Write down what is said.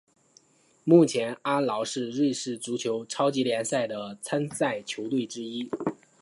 目前阿劳是瑞士足球超级联赛的参赛球队之一。